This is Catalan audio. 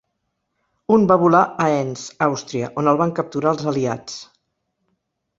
Un va volar a Enns, Àustria, on el van capturar els Aliats.